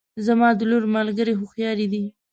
زما د لور ملګرې هوښیارې دي